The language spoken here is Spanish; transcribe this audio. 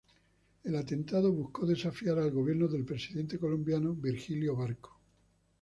El atentado buscó desafiar al gobierno del presidente colombiano Virgilio Barco.